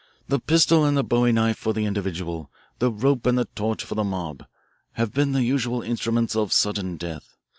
The pistol and the bowie knife for the individual, the rope and the torch for the mob, have been the usual instruments of sudden death.